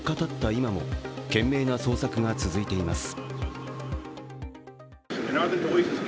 今も懸命な捜索が続いています。